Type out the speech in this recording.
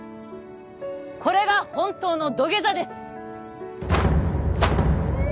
これが本当の土下座です